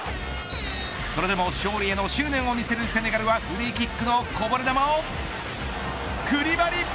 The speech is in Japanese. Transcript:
それでも勝利への執念を見せるセネガルはフリーキックのこぼれ球をクリバリ。